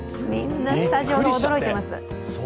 みんなスタジオが驚いてます。